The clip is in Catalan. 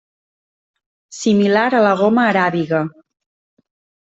Similar a la goma aràbiga.